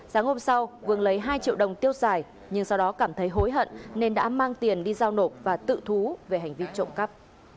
sáng hôm sau vương lấy hai triệu đồng tiêu xài nhưng sau đó cảm thấy hối hận nên đã mang tiền đi giao nộp và tự thú về hành vi trộm cắp